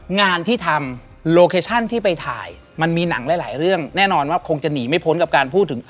แน่นอนว่าคงจะหนีไม่พ้นกับการพูดถึง